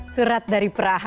surat dari praha